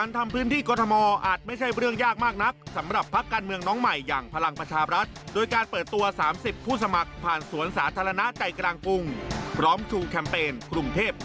ติดตามจากรายงานครับ